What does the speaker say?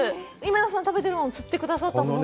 皆さんが食べているのも釣ってくださったもの。